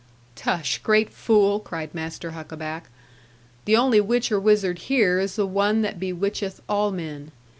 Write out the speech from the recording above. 'Tush, great fool!' cried Master Huckaback; 'the only witch or wizard here is the one that bewitcheth all men.